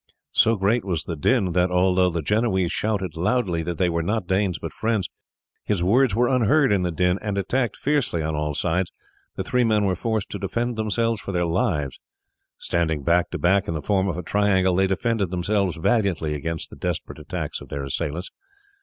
So great was the din, that, although the Genoese shouted loudly that they were not Danes but friends, his words were unheard in the din; and attacked fiercely on all sides, the three men were forced to defend themselves for their lives. Standing back to back in the form of a triangle, they defended themselves valiantly against the desperate attacks of their assailants.